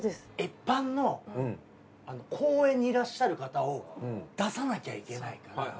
一般の公園にいらっしゃる方を出さなきゃいけないから。